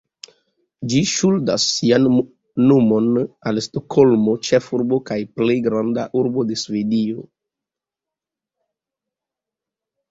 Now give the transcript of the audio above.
Ĝi ŝuldas sian nomon al Stokholmo, ĉefurbo kaj plej granda urbo de Svedio.